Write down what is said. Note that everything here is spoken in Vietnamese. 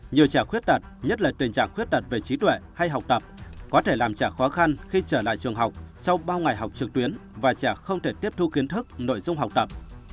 nhiều trẻ khuyết tật nhất là tình trạng khuyết tật về trí tuệ hay học tập có thể làm chả khó khăn khi trở lại trường học sau bao ngày học trực tuyến và trẻ không thể tiếp thu kiến thức nội dung học tập